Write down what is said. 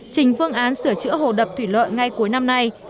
trình phương án sửa chữa hồ đập thủy lợi ngay cuối năm nay